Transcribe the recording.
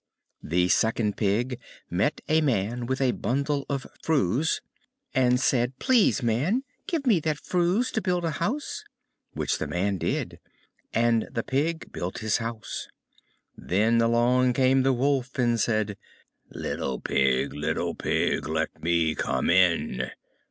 The second Pig met a Man with a bundle of furze, and said, "Please, Man, give me that furze to build a house"; which the Man did, and the Pig built his house. Then along came the Wolf and said, "Little Pig, little Pig, let me come in."